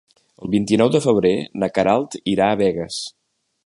El vint-i-nou de febrer na Queralt irà a Begues.